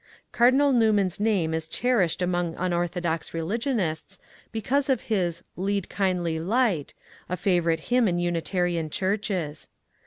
Cardinal Newman's name is cherished among unorthodox religionists because of his ^ Lead, Kindly Light," — a fa vourite hymn in Unitarian churches.